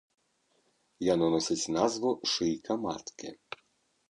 Яно носіць назву шыйка маткі.